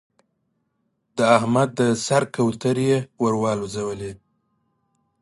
د احمد د سر کوترې يې ور والوزولې.